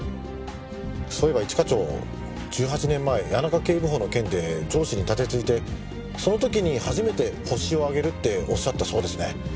そういえば一課長１８年前谷中警部補の件で上司に盾突いてその時に初めて「ホシを挙げる」っておっしゃったそうですね。